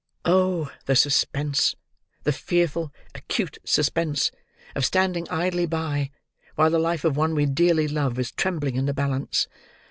Oh! the suspense, the fearful, acute suspense, of standing idly by while the life of one we dearly love, is trembling in the balance!